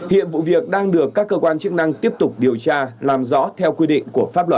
hiện vụ việc đang được các cơ quan chức năng tiếp tục điều tra làm rõ theo quy định của pháp luật